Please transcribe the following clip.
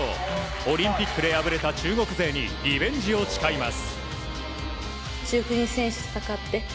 オリンピックで敗れた中国勢にリベンジを誓います。